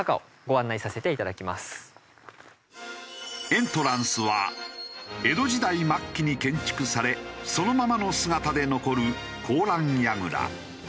エントランスは江戸時代末期に建築されそのままの姿で残る高欄櫓。